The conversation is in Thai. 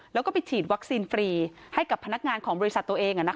แล้วก็ไปฉีดวัคซีนฟรีให้กับพนักงานของบริษัทตัวเอง